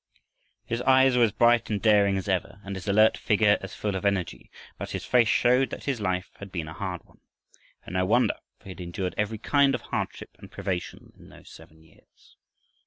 His eyes were as bright and daring as ever and his alert figure as full of energy, but his face showed that his life had been a hard one. And no wonder, for he had endured every kind of hardship and privation in those seven years.